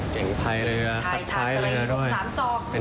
เก่งภายเรือ